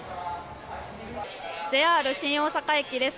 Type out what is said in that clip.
ＪＲ新大阪駅です。